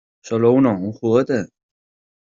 ¿ Sólo uno? ¿ un juguete ?